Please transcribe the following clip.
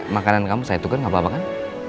makanan kamu saya tukar gak apa apa kan